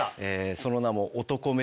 その名も。